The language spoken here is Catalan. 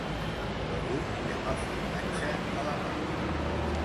Begut i amb el formatge a la mà.